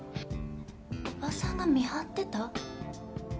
おばさんが見張ってた？